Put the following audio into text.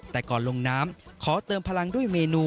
แต่ก่อนลงน้ำขอเติมพลังด้วยเมนู